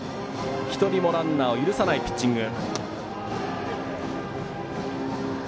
１人もランナーを許さないピッチング。